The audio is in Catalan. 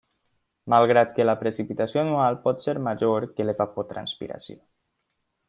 Malgrat que la precipitació anual pot ser major que l'evapotranspiració.